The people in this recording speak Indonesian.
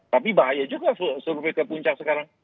tapi bahaya juga survei ke puncak sekarang